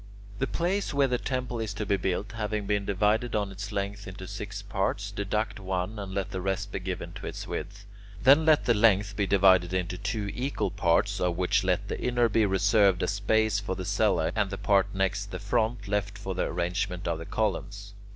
The place where the temple is to be built having been divided on its length into six parts, deduct one and let the rest be given to its width. Then let the length be divided into two equal parts, of which let the inner be reserved as space for the cellae, and the part next the front left for the arrangement of the columns.